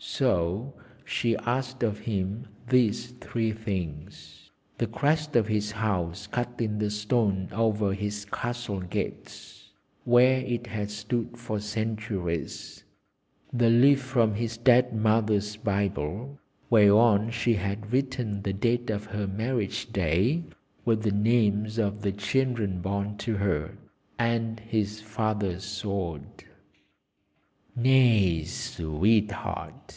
So she asked of him these three things: the crest of his House cut in the stone over his castle gates, where it had stood for centuries; the leaf from his dead mother's Bible, whereon she had written the date of her marriage day, with the names of the children born to her; and his father's sword. [Illustration: He entreated the Maiden to come down.] 'Nay, Sweetheart!'